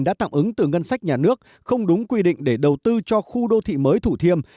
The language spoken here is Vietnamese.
đã tạm ứng từ ngân sách nhà nước không đúng quy định để đầu tư cho khu đô thị mới thủ thiêm